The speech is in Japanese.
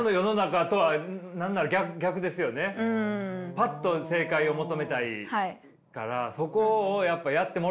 パッと正解を求めたいからそこをやっぱやってもらえないってことですか。